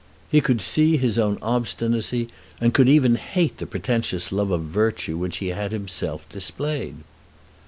He could see his own obstinacy, and could even hate the pretentious love of virtue which he had himself displayed.